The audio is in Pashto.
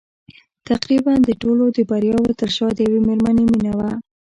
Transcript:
تقريباً د ټولو د برياوو تر شا د يوې مېرمنې مينه وه.